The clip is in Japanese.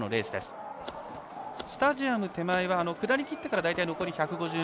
スタジアム手前は下ってから大体、残り１５０ｍ。